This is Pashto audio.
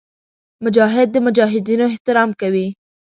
مجاهد د مجاهدینو احترام کوي.